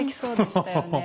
ハハハハ。